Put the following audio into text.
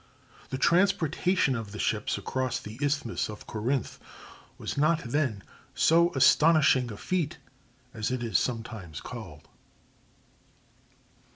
The transportation of the ships across the isthmus of Corinth was not, then, so astonishing a feat as it is sometimes called.